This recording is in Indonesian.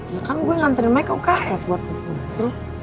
ya kan gue nganterin mike ke uks